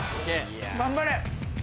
・頑張れ。